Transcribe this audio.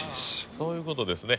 そういう事ですね。